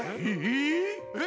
えっ！？